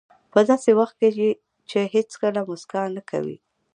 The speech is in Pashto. په داسې وخت کې چې هېڅکله موسکا نه کوئ.